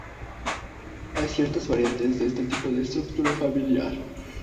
Hay ciertas variantes de este tipo de estructura familiar.